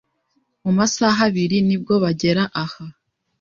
Mu masaha abiri nibwo bagera aha.